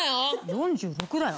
４６だよ。